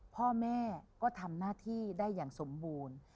พ่อแม่ก็ทำหน้าที่ได้อย่างสมบูรณ์